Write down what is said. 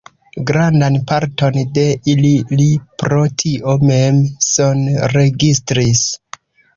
Grandan parton de ili li pro tio mem sonregistris.